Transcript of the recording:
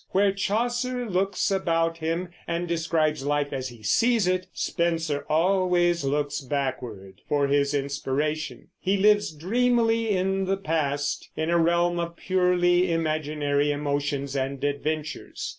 Where Chaucer looks about him and describes life as he sees it, Spenser always looks backward for his inspiration; he lives dreamily in the past, in a realm of purely imaginary emotions and adventures.